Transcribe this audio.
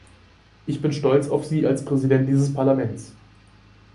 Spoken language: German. Ich bin stolz auf Sie als Präsident dieses Parlaments.